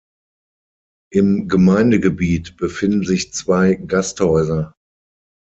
Im Gemeindegebiet befinden sich zwei Gasthäuser.